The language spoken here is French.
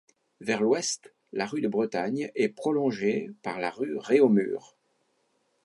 Vers l'ouest, la rue de Bretagne est prolongée par la rue Réaumur.